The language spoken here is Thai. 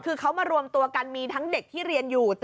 คือเขามารวมตัวกันมีทั้งเด็กที่เรียนอยู่